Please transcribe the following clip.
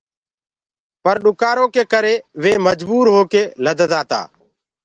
پر ڏُڪآرو ڪي ڪري وي مجبوٚر هوڪي لدتآ تا۔